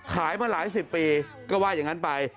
ขายมาหลายสิบปีก็ว่าอย่างนั้นไป